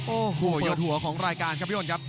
โอ้โหเหยียดหัวของรายการครับพี่อ้นครับ